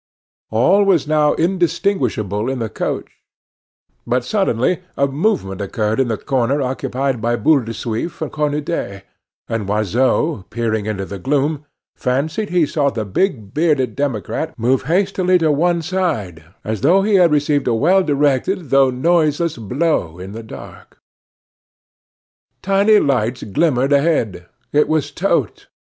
All was now indistinguishable in the coach; but suddenly a movement occurred in the corner occupied by Boule de Suif and Cornudet; and Loiseau, peering into the gloom, fancied he saw the big, bearded democrat move hastily to one side, as if he had received a well directed, though noiseless, blow in the dark. Tiny lights glimmered ahead. It was Totes.